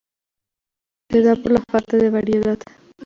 Se da por la falta de variedad.